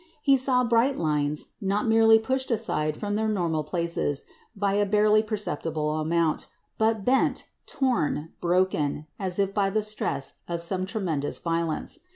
He saw bright lines, not merely pushed aside from their normal places by a barely perceptible amount, but bent, torn, broken, as if by the stress of some tremendous violence.